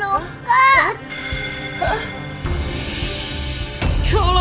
omah papa luka